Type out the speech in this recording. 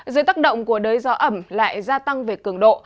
dưới tác động của đới gió ẩm lại gia tăng về cường độ